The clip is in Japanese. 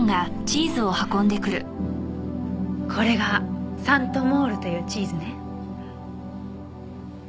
これがサントモールというチーズね。